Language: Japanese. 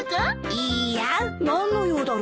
いいや。何の用だろ？